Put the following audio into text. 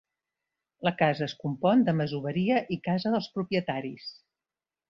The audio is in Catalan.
La casa es compon de masoveria i casa dels propietaris.